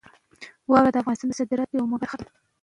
واوره د افغانستان د صادراتو یوه مهمه برخه ده.